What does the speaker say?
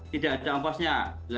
tidak ada ongkosnya